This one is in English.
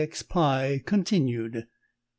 X. PIE CONTINUED MR.